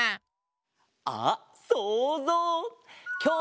あっそうぞう！